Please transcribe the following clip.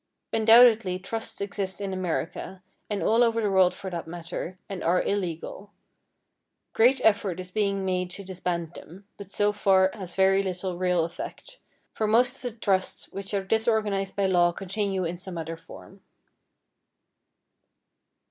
Undoubtedly trusts exist in America, and all over the world for that matter, and are illegal. Great effort is being made to disband them, but so far has very little real effect, for most of the trusts which are disorganized by law continue in some other form.